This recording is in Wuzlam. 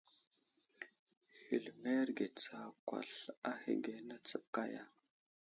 Hələmerge tsakwasl ahəge ane kaya.